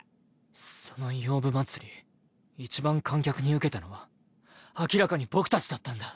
その「洋舞祭り」いちばん観客にウケたのは明らかに僕たちだったんだ。